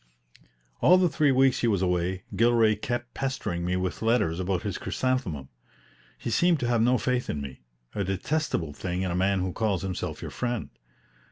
All the three weeks he was away, Gilray kept pestering me with letters about his chrysanthemum. He seemed to have no faith in me a detestable thing in a man who calls himself your friend.